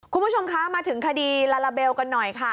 คุณผู้ชมคะมาถึงคดีลาลาเบลกันหน่อยค่ะ